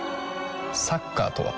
サッカーとは？